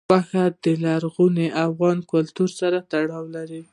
غوښې د لرغوني افغان کلتور سره تړاو لري.